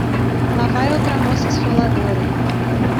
Lá vai outra moça esfoladora.